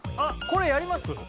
これやります？